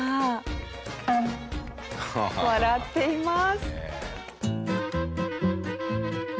笑っています。